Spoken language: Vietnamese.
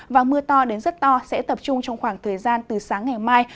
và mưa to đến rất to sẽ tập trung trong khoảng thời gian từ sáng ngày mai